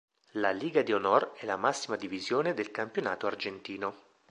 La Liga de Honor è la massima divisione del campionato argentino.